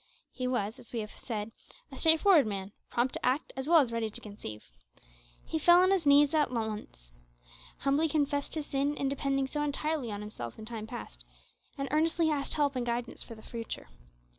He was, as we have said, a straightforward man, prompt to act as well as ready to conceive. He fell on his knees at once, humbly confessed his sin in depending so entirely on himself in time past, and earnestly asked help and guidance for the future.